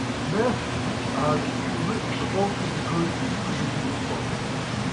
Nershi has written the bulk of the group's original songs.